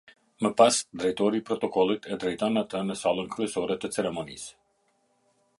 Më pas Drejtori i Protokollit e drejton atë në sallën kryesore të ceremonisë.